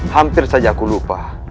hampir saja aku lupa